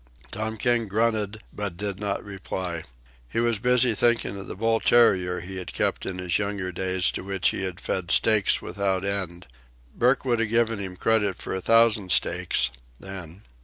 Tom King grunted, but did not reply. He was busy thinking of the bull terrier he had kept in his younger days to which he had fed steaks without end. Burke would have given him credit for a thousand steaks then.